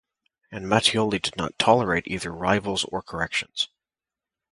And Mattioli did not tolerate either rivals or corrections.